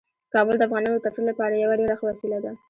کابل د افغانانو د تفریح لپاره یوه ډیره ښه وسیله ده.